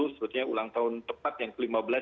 sebetulnya ulang tahun tepat yang ke lima belas